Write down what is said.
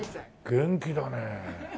元気だね。